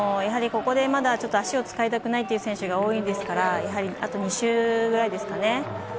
ここでまだ足を使いたくない選手が多いですから、あと２周ぐらいですよね。